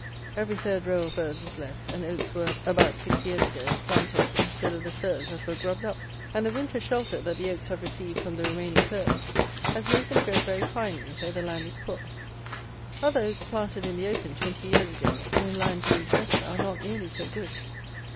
Every third row of firs was left, and oaks were (about six years ago) planted instead of the firs that were grubbed up; and the winter shelter, that the oaks have received from the remaining firs, has made them grow very finely, though the land is poor. Other oaks planted in the open, twenty years ago, and in land deemed better, are not nearly so good.